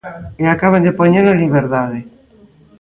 E acaban de poñelo en liberdade.